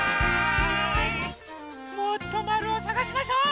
もっとまるをさがしましょう！